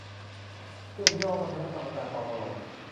เรียกย่อว่า คณะกรรมการ ปอ ทอ รอ